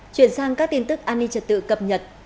chuyển sang các tin tức an ninh trật tự cập nhật